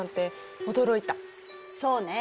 そうね。